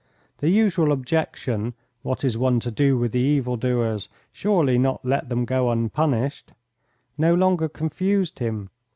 The usual objection, "What is one to do with the evil doers? Surely not let them go unpunished?" no longer confused him.